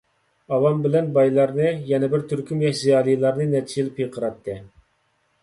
ئاۋام بىلەن بايلارنى، يەنە بىر تۈركۈم ياش زىيالىلارنى نەچچە يىل پىقىراتتى.